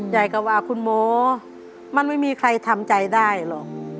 ยายก็ว่าคุณหมอมันไม่มีใครทำใจได้หรอก